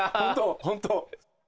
本当。